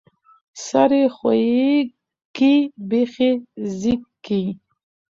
ـ سر يې ښويکى، بېخ يې زيږکى.